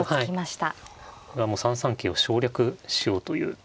これはもう３三桂を省略しようという。